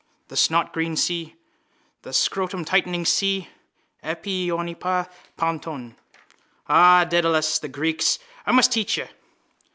The snotgreen sea. The scrotumtightening sea. Epi oinopa ponton. Ah, Dedalus, the Greeks! I must teach you.